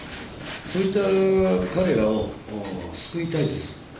そういった彼らを救いたいです。